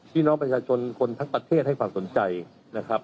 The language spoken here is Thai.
พี่น้องประชาชนคนทั้งประเทศให้ความสนใจนะครับ